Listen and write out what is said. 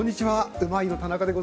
「うまいッ！」の田中でございます。